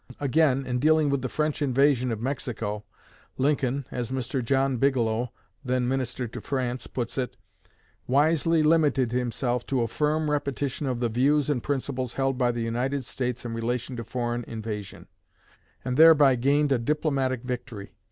Again, in dealing with the French invasion of Mexico, Lincoln as Mr. John Bigelow (then minister to France) puts it "wisely limited himself to a firm repetition of the views and principles held by the United States in relation to foreign invasion," and thereby gained a diplomatic victory.